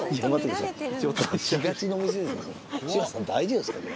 大丈夫ですかね？